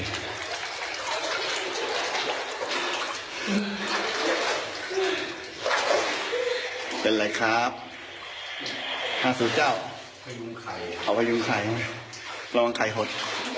เป็นไรครับห้าศูเจ้าเอาไปยุ่งไข่ประวังไข่หด